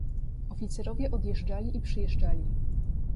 "Oficerowie odjeżdżali i przyjeżdżali."